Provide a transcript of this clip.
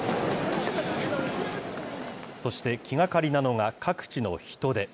そして、気がかりなのが各地の人出。